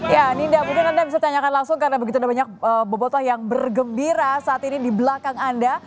ya ninda mungkin anda bisa tanyakan langsung karena begitu ada banyak bobotoh yang bergembira saat ini di belakang anda